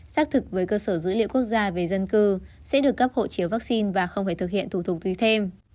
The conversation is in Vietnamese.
xác thực với cơ sở dữ liệu quốc gia về dân cư sẽ được cấp hộ chiếu vaccine và không phải thực hiện thủ tục tùy thêm